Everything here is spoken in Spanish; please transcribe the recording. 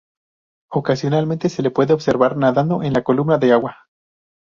Ocasionalmente se le puede observar nadando en la columna de agua.